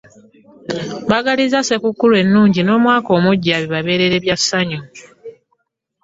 Mbagaliza ssekukkulu enuugi n'omwaka omugya bibabeerere bya sanyu.